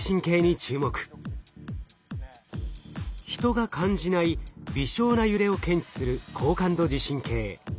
人が感じない微小な揺れを検知する高感度地震計。